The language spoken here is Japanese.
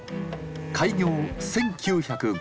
開業１９５５年。